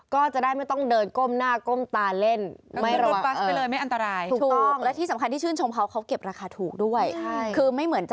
ก็จะได้ไม่ต้องเดินก้มหน้าก้มตาเล่น